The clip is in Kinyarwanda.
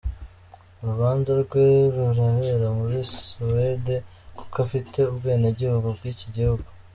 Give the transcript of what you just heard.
Urubanza rwe rurabera muri Suède kuko afite ubwenegihugu bw’iki gihugu.